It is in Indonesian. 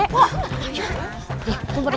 eh kok kemana pak